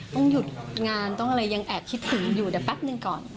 ต้องหยุดงานต้องอะไรยังแอบคิดถึงอยู่เดี๋ยวแป๊บหนึ่งก่อน